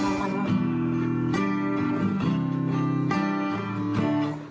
เฮ้ยเดี๋ยว